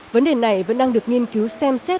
vấn đề này vẫn đang được nghiên cứu xem xét